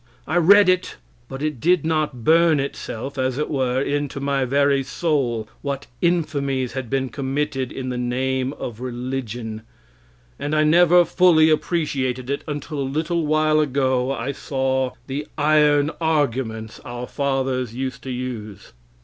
I read it, but it did not burn itself, as it were, into my very soul what infamies had been committed in the name of religion, and I never fully appreciated it until a little while ago I saw the iron arguments our fathers used to use.